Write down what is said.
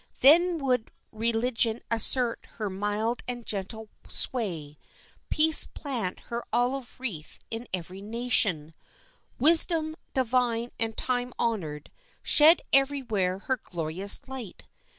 Then would religion assert her mild and gentle sway, peace plant her olive wreath in every nation, wisdom, divine and time honored, shed every where her glorious light.